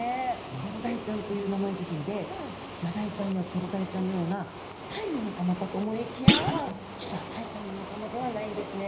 コロダイちゃんという名前ですのでマダイちゃんやクロダイちゃんのようなタイの仲間かと思いきや実はタイちゃんの仲間ではないんですね。